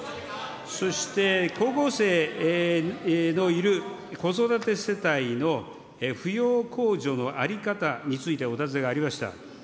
そして、高校生のいる子育て世帯の扶養控除の在り方についてお尋ねがありました。